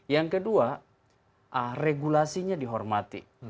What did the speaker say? yang kedua regulasinya dihormati